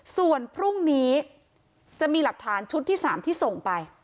ส่วนพรุ่งนี้จะมีหลักฐานชุดที่๓ที่ส่งไป